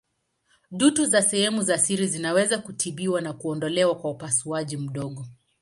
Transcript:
Dutu za sehemu za siri zinaweza kutibiwa na kuondolewa kwa upasuaji mdogo.